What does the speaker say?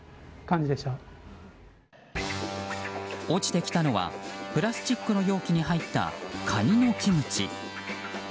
落ちてきたのはプラスチックの容器に入ったカニのキムチ。